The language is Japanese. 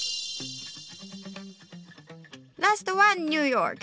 ラストはニューヨーク。